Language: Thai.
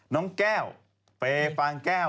น้องแก้วเปางแก้ว